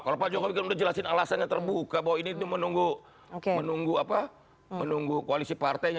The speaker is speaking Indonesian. kalau pak jokowi kan udah jelasin alasan yang terbuka bahwa ini menunggu koalisi partainya